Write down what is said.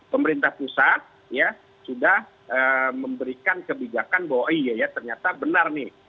pemerintah pusat ya sudah memberikan kebijakan bahwa iya ya ternyata benar nih